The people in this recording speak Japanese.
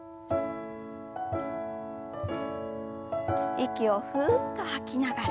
息をふっと吐きながら。